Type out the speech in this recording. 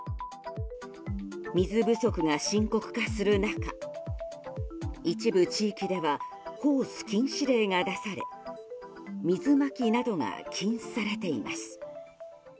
水不足が深刻化する中一部地域ではホース禁止令が出され水まきなどが禁止されています。